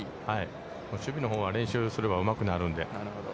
守備のほうは練習すればうまくなるので。